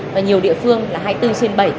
và nhiều địa phương là hai mươi bốn trên bảy